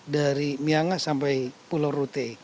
dari myangga sampai pulau rote